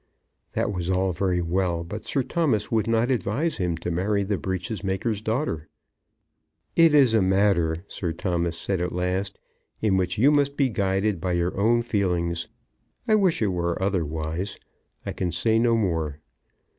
That was all very well, but Sir Thomas would not advise him to marry the breeches maker's daughter. "It is a matter," Sir Thomas said at last, "in which you must be guided by your own feelings. I wish it were otherwise. I can say no more."